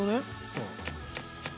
そう。